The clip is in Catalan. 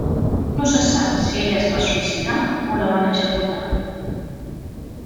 No se sap si ella es va suïcidar o la van executar.